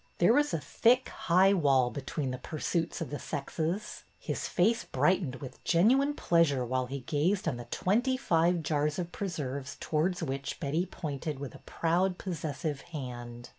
There was a thick, high wall between the pursuits of the sexes. His face brightened with genuine pleasure while he gazed on the twenty five jars of preserves towards which Betty pointed with a proud possessive hand.